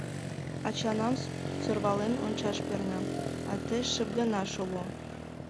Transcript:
— Ачанам сӧрвален ончаш перна, а тый шып гына шого.